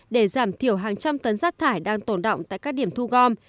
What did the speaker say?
để giảm thiểu hàng trăm tấn rác thải đang tồn động tại các điểm thu gom